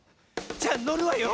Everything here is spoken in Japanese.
じゃあのるわよ。